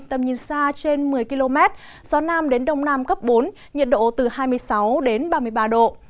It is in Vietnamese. tầm nhìn xa trên một mươi km gió nam đến đông nam cấp bốn nhiệt độ từ hai mươi sáu đến ba mươi ba độ